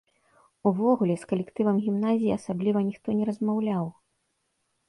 Увогуле, з калектывам гімназіі асабліва ніхто не размаўляў.